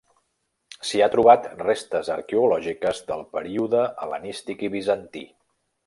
S'hi ha trobat restes arqueològiques del període hel·lenístic i bizantí.